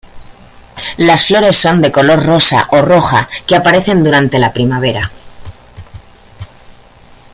Las flores son de color rosa o roja que aparecen durante la primavera.